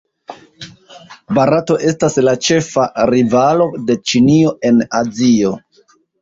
Barato estas la ĉefa rivalo de Ĉinio en Azio.